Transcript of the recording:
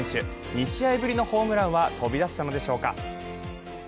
２試合ぶりのホームランは飛び出したのでしょうか。